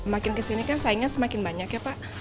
semakin kesini kan saingnya semakin banyak ya pak